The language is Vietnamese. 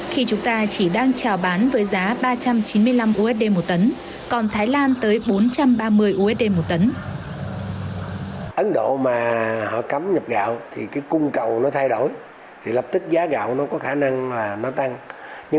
khi chúng ta chỉ đang trào bán với giá ba trăm chín mươi năm usd một tấn còn thái lan tới bốn trăm ba mươi usd một tấn